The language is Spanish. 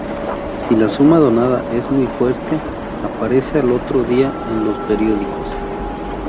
Si la suma donada es muy fuerte, aparece al otro día en los periódicos.